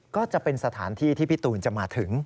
ก็จะเป็นสถานที่ที่พี่ตูนจะมาถึง